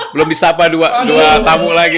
belum bisa apa dua tamu lagi